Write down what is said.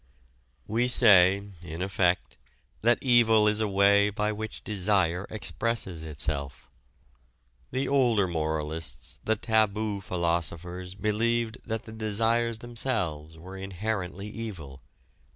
We say, in effect, that evil is a way by which desire expresses itself. The older moralists, the taboo philosophers believed that the desires themselves were inherently evil.